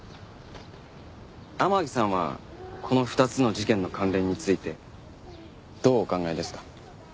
天樹さんはこの２つの事件の関連についてどうお考えですか？